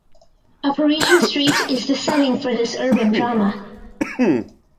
A Parisian street is the setting for this urban drama.